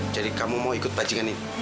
jadi kamu mau ikut panjangan ini